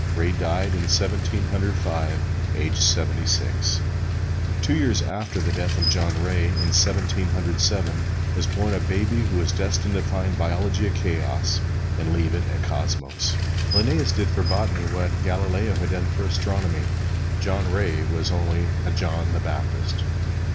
Ray died in Seventeen Hundred Five, aged seventy six. Two years after the death of John Ray, in Seventeen Hundred Seven, was born a baby who was destined to find biology a chaos, and leave it a cosmos. Linnæus did for botany what Galileo had done for astronomy. John Ray was only a John the Baptist.